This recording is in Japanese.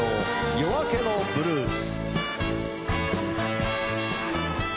『夜明けのブルース』。